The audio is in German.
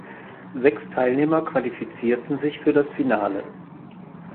Sechs Teilnehmer qualifizierten sich für das Finale.